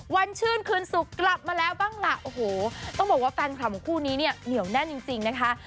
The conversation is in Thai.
วันชื่นคืนสุขกลับมาแล้วบ้างล่ะโอ้โหต้องบอกว่าแฟนคลับของคู่นี้เนี่ยเหนียวแน่นจริงจริงนะคะ